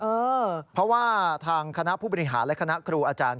เพราะว่าทางคณะผู้บริหารและคณะครูอาจารย์